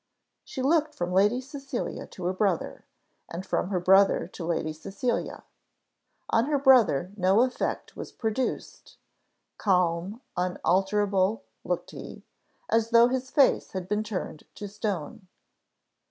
She looked from Lady Cecilia to her brother, and from her brother to Lady Cecilia. On her brother no effect was produced: calm, unalterable, looked he; as though his face had been turned to stone.